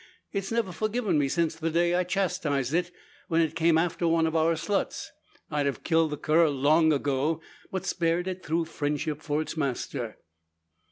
It's never forgiven me since the day I chastised it, when it came after one of our sluts. I'd have killed the cur long ago, but spared it through friendship for its master."